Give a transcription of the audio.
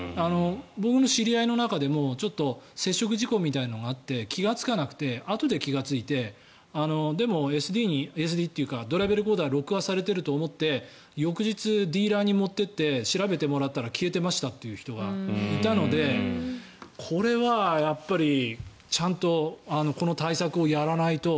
僕の知り合いの中でもちょっと接触事故みたいなのがあって気がつかなくてあとで気がついてでも、ＳＤというかドライブレコーダーに録画されていると思って翌日、ディーラーに持っていって調べてもらったら消えてましたという人がいたのでこれはやっぱり、ちゃんとこの対策をやらないと。